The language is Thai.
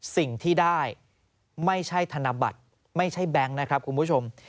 สิ่งที่ได้ไม่ใช่ธนบัตรไม่ใช่แบงค์นะครับคุณผู้ชม